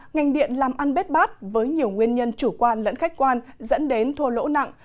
ngành điện làm ăn bế bát với nhiều nguyên nhân chủ quan lẫn khách quan dẫn đến thua lỗ nặng